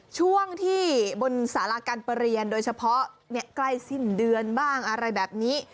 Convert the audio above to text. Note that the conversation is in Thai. ช่วงที่บนสาราการประเรียนโดยเฉพาะใกล้สิ้นเดือนบ้างอะไรแบบนี้